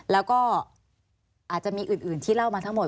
แล้วก็อาจจะมีอื่นที่เล่ามาทั้งหมด